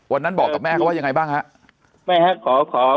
วันนั้นบอกกับแม่เขาว่ายังไงบ้างฮะไม่ฮะขอขอขออ่า